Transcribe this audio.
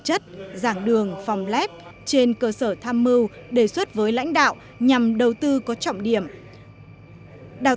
chất dạng đường phòng lép trên cơ sở tham mưu đề xuất với lãnh đạo nhằm đầu tư có trọng điểm đào